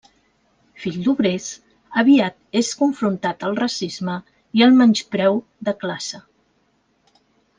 Fill d'obrers, aviat és confrontat al racisme i al menyspreu de classe.